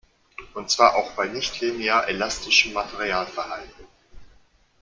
Und zwar auch bei nicht-linear elastischem Materialverhalten.